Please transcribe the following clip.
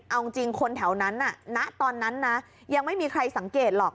เอาจริงคนแถวนั้นณตอนนั้นนะยังไม่มีใครสังเกตหรอก